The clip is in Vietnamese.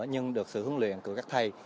nhưng được sự huấn luyện của các thầy